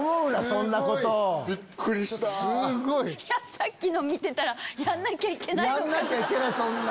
さっきの見てたらやんなきゃいけないのかな。